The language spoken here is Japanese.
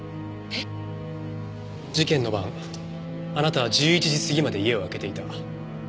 えっ？事件の晩あなたは１１時過ぎまで家を空けていた。